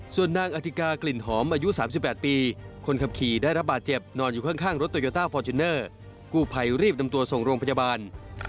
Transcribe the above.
ส่วนนางอธิกากลิ่นหอมอายุ๓๘ปีคนขับขี่ได้รับบาดเจ็บนอนอยู่ข้างรถโตโยต้าฟอร์จูเนอร์กู้ภัยรีบนำตัวส่งโรงพยาบาล